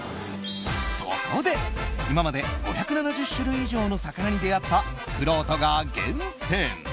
そこで今まで５７０種類以上の魚に出会ったくろうとが厳選。